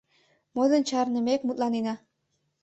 Модын чарнымек мутланена.